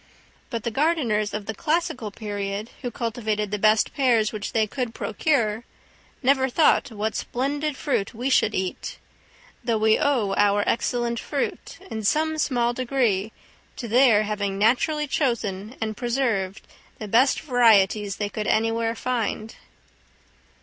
But the gardeners of the classical period, who cultivated the best pears which they could procure, never thought what splendid fruit we should eat; though we owe our excellent fruit in some small degree to their having naturally chosen and preserved the best varieties they could anywhere find.